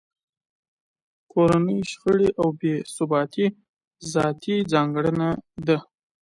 کورنۍ شخړې او بې ثباتۍ ذاتي ځانګړنه ده.